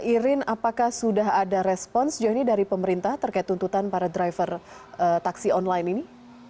irin apakah sudah ada respons dari pemerintah terkait tuntutan para driver taksi online ini